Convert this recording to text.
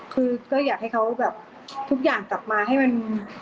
คือก็อยากให้เขาแบบทุกอย่างกลับมาให้มัน